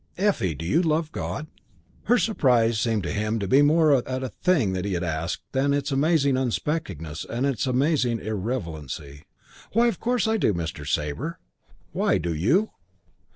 "Effie, do you love God?" Her surprise seemed to him to be more at the thing he had asked than at its amazing unexpectedness and amazing irrelevancy. "Why, of course I do, Mr. Sabre." "Why do you?"